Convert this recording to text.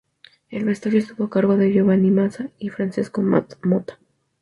El vestuario estuvo a cargo de Giovanni Mazza y Francesco Motta.